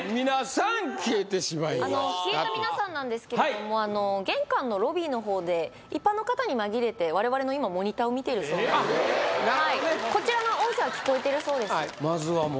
消えた皆さんなんですけれども玄関のロビーのほうで一般の方に紛れて我々の今モニターを見てるそうあっなるほどねこちらの音声は聞こえてるそうです